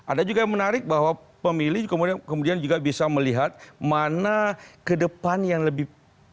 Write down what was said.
ada juga yang menarik bahwa pemilih kemudian juga bisa melihat mana ke depan yang lebih